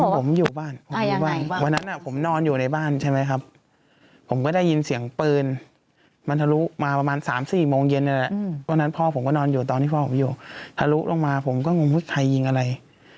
ผมอยู่บ้านวันนั้นผมนอนอยู่ในบ้านใช่ไหมครับผมก็ได้ยินเสียงปืนมันทะลุมาประมาณ๓๔โมงเย็นนั่นแหละวันนั้นพ่อผมก็นอนอยู่ตอนที่พ่อผมอยู่ทะลุลงมาผมก็งงใครยิงอะไร